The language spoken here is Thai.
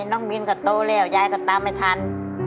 น้องมินก็โตแล้วยายก็ตามไม่ทัน